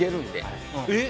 えっ？